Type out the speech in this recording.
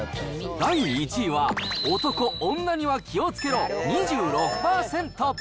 第１位は、男、女には気をつけろ２６％。